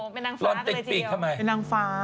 เป็นนางฟ้าเขาเลยเจียววันนี้วันนี้ว่านะครับ